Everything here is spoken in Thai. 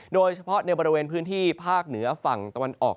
โดยเฉพาะในบริเวณพื้นที่ภาคเหนือฝั่งตะวันออก